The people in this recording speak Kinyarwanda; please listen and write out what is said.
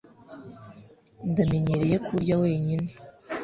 ndamenyereye kurya wenyine